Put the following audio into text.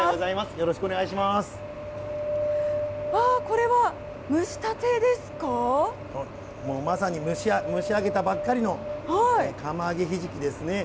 よろしわー、これは蒸したてですかもうまさに蒸し上げたばっかりの釜上げひじきですね。